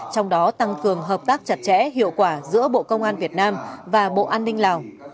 trong đó tăng cường hợp tác chặt chẽ hiệu quả giữa bộ công an việt nam và bộ an ninh lào